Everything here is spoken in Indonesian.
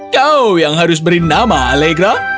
kau yang harus beri nama alegra